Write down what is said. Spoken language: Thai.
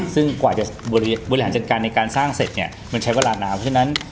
ซึ่งกว่าจะบริหารจัดการในการสร้างเสร็จเนี่ยมันใช้เวลานานเพราะฉะนั้น